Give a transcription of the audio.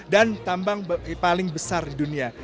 dan tambang paling besar di dunia